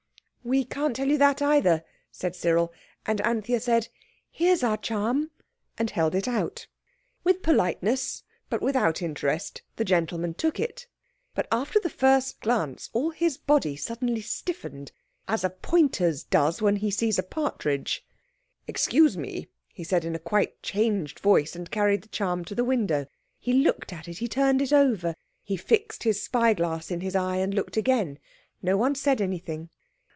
"We can't tell you that either," said Cyril; and Anthea said, "Here is our charm," and held it out. With politeness, but without interest, the gentleman took it. But after the first glance all his body suddenly stiffened, as a pointer's does when he sees a partridge. "Excuse me," he said in quite a changed voice, and carried the charm to the window. He looked at it; he turned it over. He fixed his spy glass in his eye and looked again. No one said anything.